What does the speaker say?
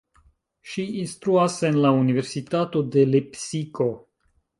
Ŝi instruas en la Universitato de Lepsiko.